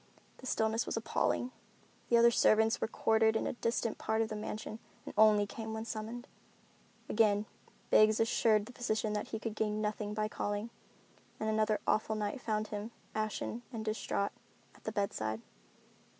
The stillness was appalling. The other servants were quartered in a distant part of the mansion and only came when summoned. Again Biggs assured the physician that he could gain nothing by calling, and another awful night found him, ashen and distraught, at the bedside.